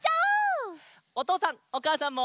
おとうさんおかあさんも。